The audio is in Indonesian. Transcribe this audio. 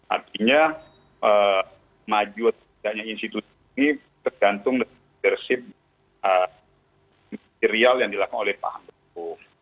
artinya maju atau tidaknya institusi ini tergantung dari material yang dilakukan oleh pak handoko